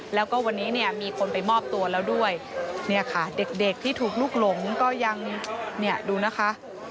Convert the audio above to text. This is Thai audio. แล้วก็วันนี้เนี่ยมีคนไปมอบตัวแล้วด้วยเนี่ยค่ะเด็กเด็กที่ถูกลุกหลงก็ยังเนี่ยดูนะคะ